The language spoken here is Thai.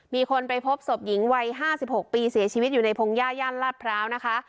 มีคนไปพบศพหญิงวัย๕๖ปีเสียชีวิตอยู่ในพงหญ้าย่านลาดพร้าวนะคะ